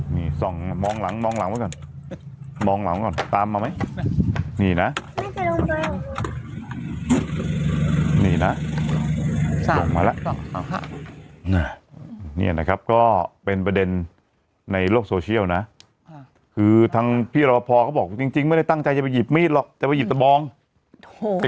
นี่สองมองหลังมองหลังไว้ก่อนมองหลังไว้ก่อนตามมาไหมนี่นะ